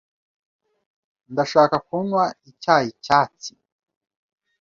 Ndashaka kunywa icyayi cyatsi.